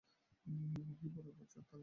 এমনকি পরের বছর ওরা তারিখটাও ভুলে যেতে পারে।